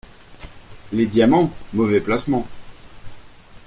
Les diamants !… mauvais placement !…